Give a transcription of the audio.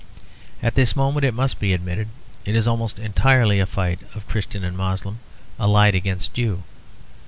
At this moment, it must be admitted, it is almost entirely a fight of Christian and Moslem allied against Jew.